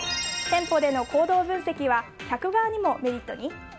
店舗での行動分析は客側にもメリットに？